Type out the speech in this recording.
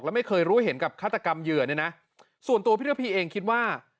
และไม่เคยรู้เห็นกับฆาตกรรมเหยื่อเนี่ยนะส่วนตัวพี่ระพีเองคิดว่า